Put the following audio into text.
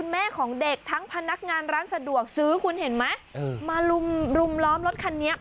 แม่ของเด็กทั้งพนักงานร้านสะดวกซื้อคุณเห็นไหมมาลุมรุมล้อมรถคันนี้